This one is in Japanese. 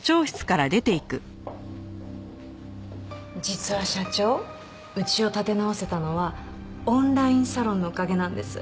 実は社長うちを立て直せたのはオンラインサロンのおかげなんです。